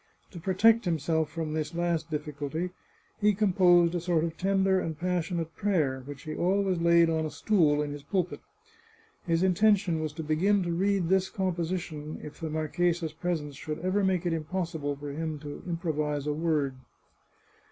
To protect himself from this last diffi culty, he composed a sort of tender and passionate prayer, which he always laid on a stool in his pulpit. His intention was to begin to read this composition if the marchesa's presence should ever make it impossible for him to impro vise a word.